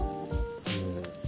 うん。